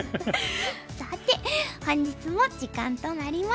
さて本日も時間となりました。